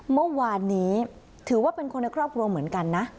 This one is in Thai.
เมื่อวานนี้ถือว่าเป็นคนในครอบครัวเหมือนกันนะ